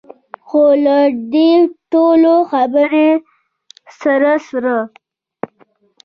خو له دې ټولو خبرو سره سره.